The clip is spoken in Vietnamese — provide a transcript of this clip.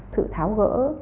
sự tháo gỡ